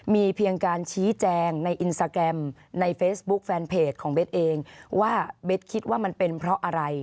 มีเพียงการชี้แจงในอินสตาแกรมในเฟซบุ๊คแฟนเพจของเบสเองว่าเบสคิดว่ามันเป็นเพราะอะไร